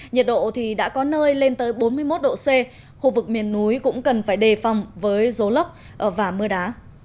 nhiệt độ thì đã có nơi lên tới bốn mươi một độ c khu vực miền núi cũng cần phải đề phòng với dố lốc và mưa đá